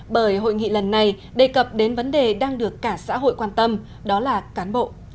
bởi hội nghị lần này đề cập đến vấn đề đang được cả xã hội quan tâm đó là cán bộ